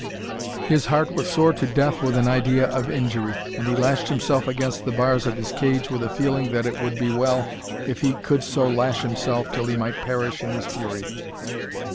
His heart was sore to death with an idea of injury, and he lashed himself against the bars of his cage with a feeling that it would be well if he could so lash himself till he might perish in his fury.